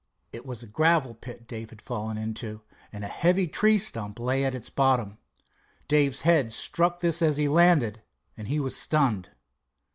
It was a gravel pit Dave had fallen into, and a heavy tree stump lay at its bottom. Dave's head struck this as he landed, and he was stunned.